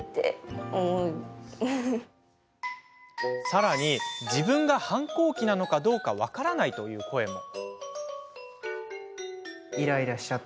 さらに自分が反抗期なのかどうか分からないという声も。